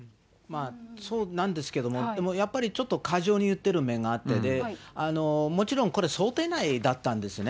そうなんですけども、でもやっぱりちょっと過剰に言ってる面があって、もちろんこれ、想定内だったんですね。